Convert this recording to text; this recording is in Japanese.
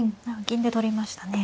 銀で取りましたね。